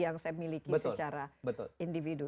yang saya miliki secara individu